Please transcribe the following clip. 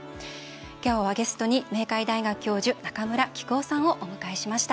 今日はゲストに明海大学教授中村喜久夫さんをお迎えしました。